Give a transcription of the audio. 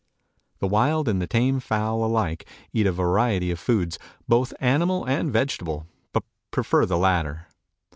The wild and the tame fowl alike eat a variety of foods, both animal and vegetable, but prefer the latter.